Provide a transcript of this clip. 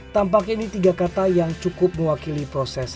tampaknya ini tiga kata yang cukup mewakili proses